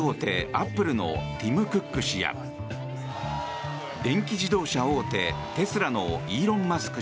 アップルのティム・クック氏や電気自動車大手、テスラのイーロン・マスク